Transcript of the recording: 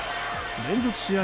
連続試合